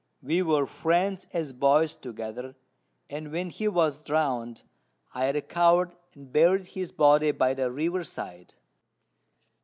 "We were friends as boys together; and when he was drowned, I recovered and buried his body by the river side."